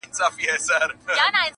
ږغېدی په څو څو ژبو د پېریانو٫